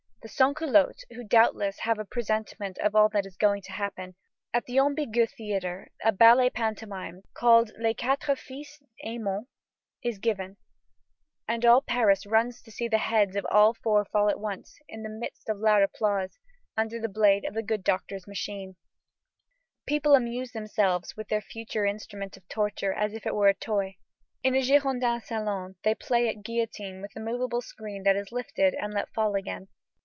The sans culottes, who doubtless have a presentiment of all that is going to happen, welcome the guillotine, then, with acclamations. At the Ambigu theatre a ballet pantomime, called Les Quatre Fils Aymon, is given, and all Paris runs to see the heads of all four fall at once, in the midst of loud applause, under the blade of the good doctor's machine. People amuse themselves with their future instrument of torture as if it were a toy. In a Girondin salon they play at guillotine with a moveable screen that is lifted and let fall again.